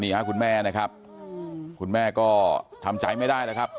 คุณแม่นะครับคุณแม่ก็ทำใจไม่ได้แล้วครับ